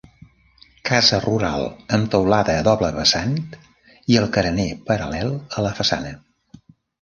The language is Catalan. Casa rural amb teulada a doble vessant i el carener paral·lel a la façana.